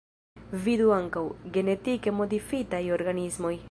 Vidu ankaŭ: Genetike modifitaj organismoj.